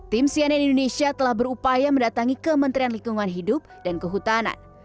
tim cnn indonesia telah berupaya mendatangi kementerian lingkungan hidup dan kehutanan